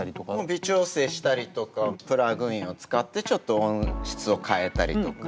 微調整したりとかプラグインを使ってちょっと音質を変えたりとか。